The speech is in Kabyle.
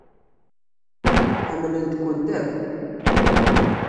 Ḥemmlent-kent akk.